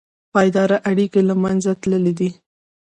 پایداره اړیکې له منځه تللي دي.